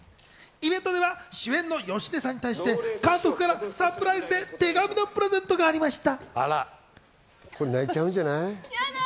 イベントでは主演の芳根さんに対して監督からサプライズで手紙のプレゼントがありました。